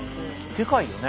でかいよね。